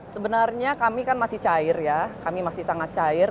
sebenarnya kami kan masih cair ya kami masih sangat cair